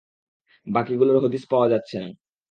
বাকিগুলোর হদিস পাওয়া যাচ্ছে না!